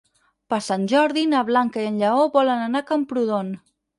Per Sant Jordi na Blanca i en Lleó volen anar a Camprodon.